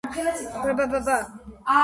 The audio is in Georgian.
აქვს მოყავისფრო-მოშავო ყვითელი ლაქები.